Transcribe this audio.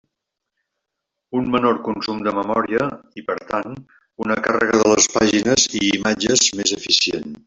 Un menor consum de memòria, i per tant, una càrrega de les pàgines i imatges més eficient.